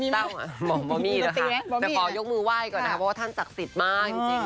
ไม่มีเจ้าเหรอครับเดี๋ยวขอยกมือไหว้ก่อนนะครับเพราะว่าท่านศักดิ์สิทธิ์มากจริง